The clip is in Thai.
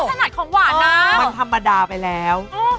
อ๋อจะไปเล่าขนาดของหวานนะมันธรรมดาไปแล้วอืม